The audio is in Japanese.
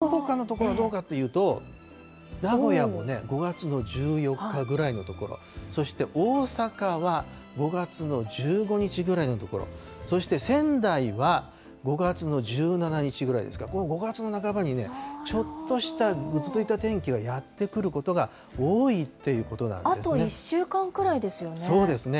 そのほかの所はどうかっていうと、名古屋も５月の１４日ぐらいのところ、そして大阪は５月の１５日ぐらいのところ、そして仙台は５月の１７日ぐらいですから、これ、５月の半ばにね、ちょっとしたぐずついた天気がやってくることが多いっていうことあと１週間くらいですよね。